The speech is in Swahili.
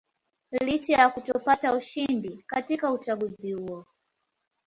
Licha ya kutopata ushindi katika uchaguzi huo